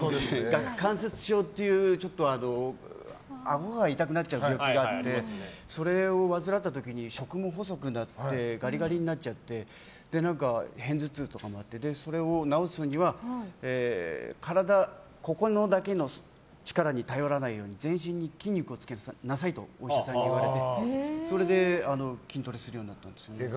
顎関節症というあごが痛くなっちゃう病気があって、それを患った時に食も細くなってガリガリになっちゃって片頭痛とかも出てそれを治すにはあごだけの力に頼らないように全身に筋肉をつけなさいとお医者さんに言われてそれで筋トレするようになったんですね。